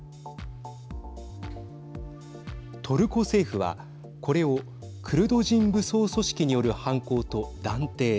トルコ政府はこれをクルド人武装組織による犯行と断定。